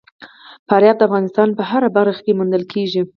فاریاب د افغانستان په هره برخه کې موندل کېږي.